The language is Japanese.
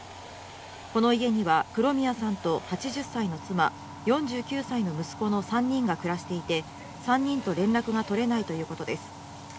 この家には黒宮さんと８０歳の妻、４９歳の息子の３人が暮らしていて３人と連絡が取れないということです。